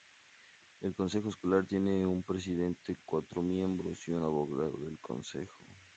El consejo escolar tiene un presidente, cuatro miembros, y un abogado del consejo.